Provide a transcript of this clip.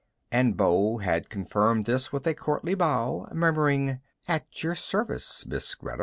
And Beau had confirmed this with a courtly bow, murmuring, "At your service, Miss Greta."